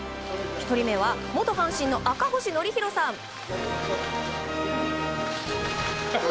１人目は元阪神の赤星憲広さん。